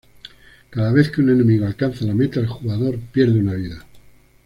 Cada vez que un enemigo alcanza la meta el jugador pierde una vida.